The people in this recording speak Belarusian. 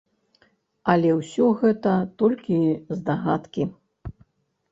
Але ўсё гэта толькі здагадкі.